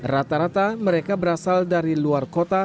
rata rata mereka berasal dari luar kota